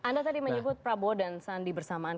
anda tadi menyebut prabowo dan sandi bersamaan